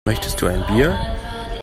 Möchtest du ein Bier?